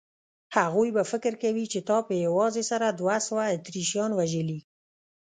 هغوی به فکر کوي چې تا په یوازې سره دوه سوه اتریشیان وژلي.